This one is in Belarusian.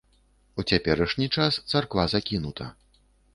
У цяперашні час царква закінута.